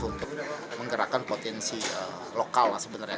untuk menggerakkan potensi lokal lah sebenarnya